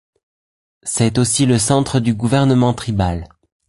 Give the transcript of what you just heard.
C'est aussi le centre du gouvernement tribal.